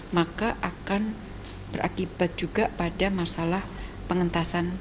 maka akan berakibat juga pada masalah pengentasan